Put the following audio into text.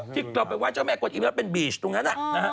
ที่เราไปไห้เจ้าแม่กวนอิมแล้วเป็นบีชตรงนั้น